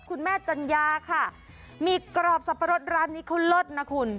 คุณแม่จัญญาค่ะมีกรอบสับปะรดร้านนี้เขาเลิศนะคุณ